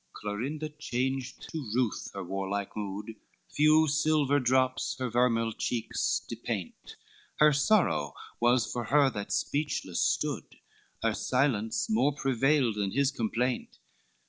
XLIII Clorinda changed to ruth her warlike mood, Few silver drops her vermeil cheeks depaint; Her sorrow was for her that speechless stood, Her silence more prevailed than his complaint.